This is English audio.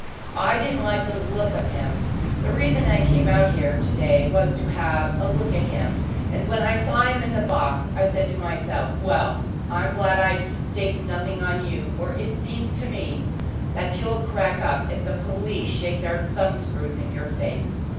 "I didn't like the look of him. The reason I came out here to day was to have a look at him. And when I saw him in the box I said to myself, 'Well, I'm glad I've staked nothing on you, for it seems to me that you'll crack up if the police shake their thumb screws in your face.'